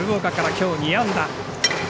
きょう２安打。